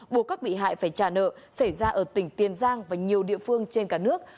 buộc các bị hại phải trả nợ xảy ra ở tỉnh tiền giang và nhiều địa phương trên cả nước